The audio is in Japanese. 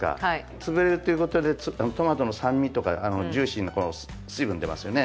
潰れるということでトマトの酸味とかジューシーなこの水分出ますよね。